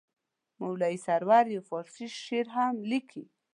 مولوي سرور یو فارسي شعر هم لیکلی.